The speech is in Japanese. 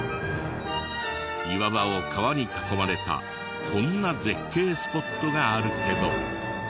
岩場を川に囲まれたこんな絶景スポットがあるけど。